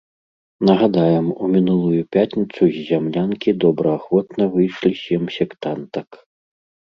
Нагадаем, у мінулую пятніцу з зямлянкі добраахвотна выйшлі сем сектантак.